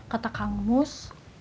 kata kang mus